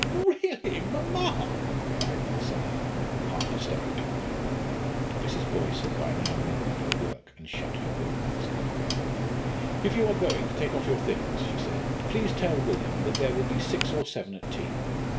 "Really, mamma!" cried Marcella, half hysterically. Mrs. Boyce had by now rolled up her work and shut her workbasket. "If you are going to take off your things," she said, "please tell William that there will be six or seven at tea.